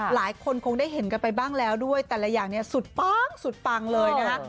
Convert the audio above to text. หลายคนคงได้เห็นกันไปบ้างแล้วด้วยแต่ละอย่างเนี่ยสุดปังสุดปังเลยนะคะ